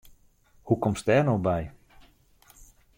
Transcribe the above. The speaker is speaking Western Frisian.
Hoe komst dêr no by?